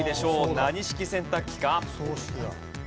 何式洗濯機か？